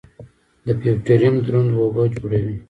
د فیوټیریم دروند اوبه جوړوي.